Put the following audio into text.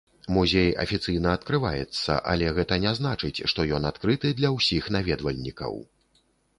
Музей афіцыйна адкрываецца, але гэта не значыць, што ён адкрыты для ўсіх наведвальнікаў.